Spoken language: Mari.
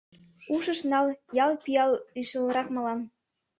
Ушыш нал: ял пиал лишылрак мылам.